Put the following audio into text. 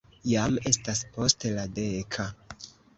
Jam estas post la deka.